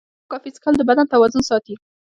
د اوبو کافي څښل د بدن توازن ساتي.